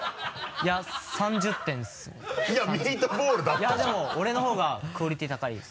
いやでも俺のほうがクオリティー高いです。